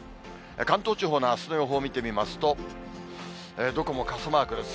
関東地方のあすの予報見てみますと、どこも傘マークです。